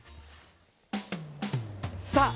さあ